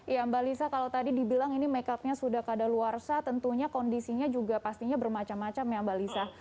ya mbak lisa kalau tadi dibilang ini makeupnya sudah keadaan luar sah tentunya kondisinya juga pastinya bermacam macam ya mbak lisa